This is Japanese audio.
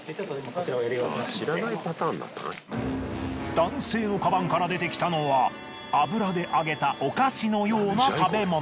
男性のカバンから出てきたのは油で揚げたお菓子のような食べ物。